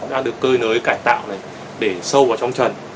cái nơi nới cải tạo này để sâu vào trong trần